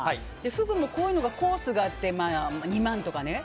フグもこういうコースがあって２万とかね。